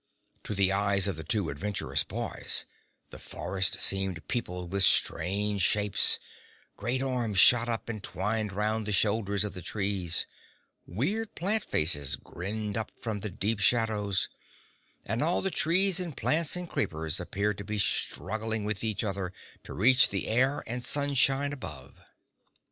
To the eyes of the two adventurous boys, the forest seemed peopled with strange shapes; great arms shot up and twined round the shoulders of the trees; weird plant faces grinned up from the deep shadows, and all the trees and plants and creepers appeared to be struggling with each other to reach the air and sunshine above.